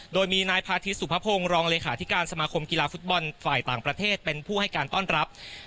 โดยมีนายพาธิสุภพงศ์รองเลขาธิการสมาคมกีฬาฟุตบอลฝ่ายต่างประเทศเป็นผู้ให้การต้อนรับ